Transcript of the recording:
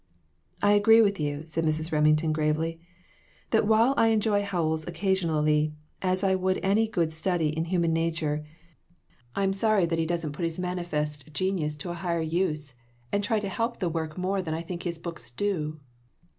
"I agree with you," said Mrs. Remington, gravely, "that while I enjoy Howells occasionally, as I would any good study in human nature, I am sorry that he doesn't put his manifest genius to a higher use, and try to help the world more than I think his books do."